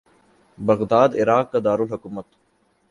Baghdad Iraq کا دار الحکومت